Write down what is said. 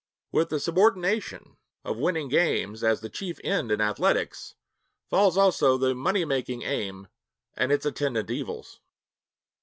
With the subordination of winning games as the chief end in athletics, falls also the money making aim and its attendant evils.